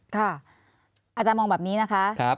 อาจารย์มองแบบนี้นะคะ